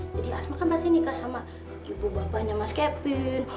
jadi asma kan pasti nikah sama ibu bapanya mas kevin